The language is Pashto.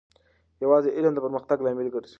یوازې علم د پرمختګ لامل ګرځي.